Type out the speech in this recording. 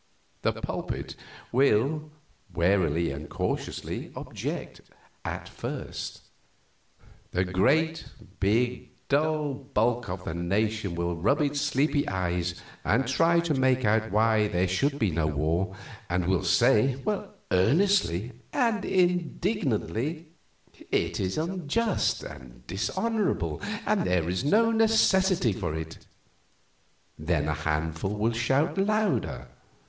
The pulpit will warily and cautiously object at first; the great, big, dull bulk of the nation will rub its sleepy eyes and try to make out why there should be a war, and will say, earnestly and indignantly, "It is unjust and dishonorable, and there is no necessity for it." Then the handful will shout louder.